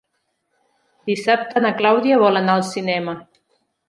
Dissabte na Clàudia vol anar al cinema.